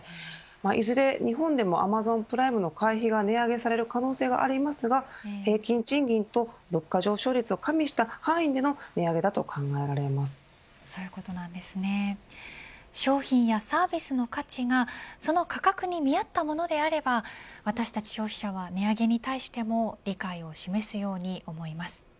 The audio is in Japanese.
いずれ日本でもアマゾンプライムの会費が値上げされる可能性がありますが平均賃金と物価上昇率を加味した範囲での商品やサービスの価値がその価格に見合ったものであれば私たち消費者は値上げに対しても理解を示すように思います。